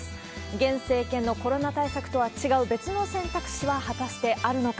現政権のコロナ対策とは違う別の選択肢は果たしてあるのか。